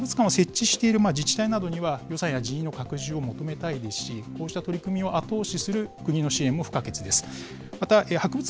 こうしたことにならないためにも、その博物館を設置している自治体などには、予算や人員の拡充を求めたいですし、こうした取り組みを後押しする国の支援も不可欠です。